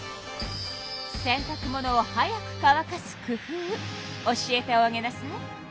洗たく物を早く乾かす工夫教えておあげなさい。